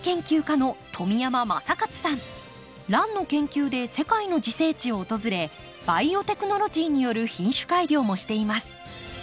ランの研究で世界の自生地を訪れバイオテクノロジーによる品種改良もしています。